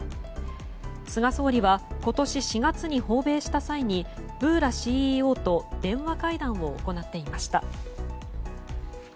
菅総理は今年４月に訪米した際にブーラＣＥＯと電話会談を行っていました。